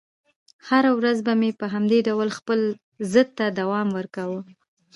هره ورځ به مې په همدې ډول خپل ضد ته دوام ورکاوه.